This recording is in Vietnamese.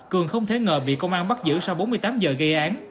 cường không thể ngờ bị công an bắt giữ sau bốn mươi tám giờ gây án